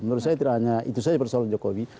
menurut saya tidak hanya itu saja persoalan jokowi